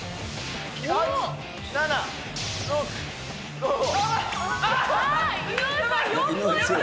８、７、６、５、井上さん４ポイント。